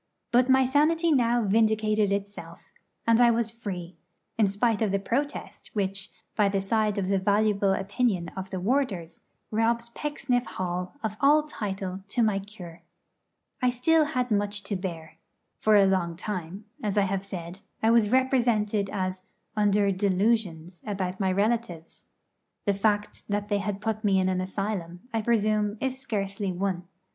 But my sanity now vindicated itself, and I was free, in spite of the protest which, by the side of the valuable opinion of the warders, robs Pecksniff Hall of all title to my 'cure.' I had still much to bear. For a long time, as I have said, I was represented as under 'delusions' about my relatives. The fact that they put me in an asylum, I presume, is scarcely one.